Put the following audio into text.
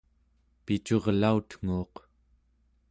picurlautnguuq